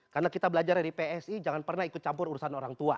karena kita belajar dari psi jangan pernah ikut campur urusan orang tua